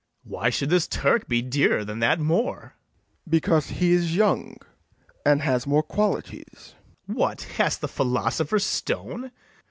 BARABAS. Why should this Turk be dearer than that Moor? FIRST OFFICER. Because he is young, and has more qualities. BARABAS. What, hast the philosopher's stone?